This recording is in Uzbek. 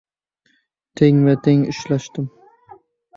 Tengma-teng ushlashdim.